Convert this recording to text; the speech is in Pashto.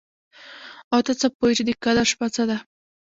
او ته څه پوه يې چې د قدر شپه څه ده؟